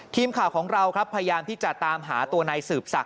ทีมข่าวของเราครับพยายามที่จะตามหาตัวนายสืบศักด